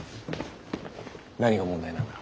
何が問題なんだ？